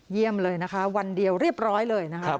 เยี่ยมเลยนะคะวันเดียวเรียบร้อยเลยนะคะ